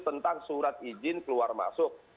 tentang surat izin keluar masuk